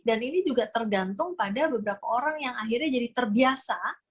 dan ini juga tergantung pada beberapa orang yang akhirnya jadi terbiasa